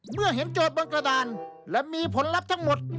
เมื่อเห็นโจทย์บนกระดานและมีผลลัพธ์ทั้งหมด